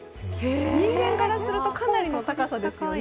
人間からするとかなりの高さですよね。